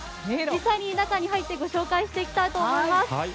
実際に中に入ってご紹介していきたいと思います。